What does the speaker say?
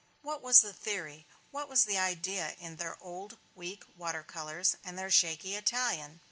What was the theory, what was the idea, in their old, weak water colors and their shaky Italian?